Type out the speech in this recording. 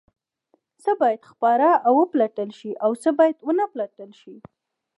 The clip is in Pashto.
څه باید خپاره او وپلټل شي او څه باید ونه پلټل شي؟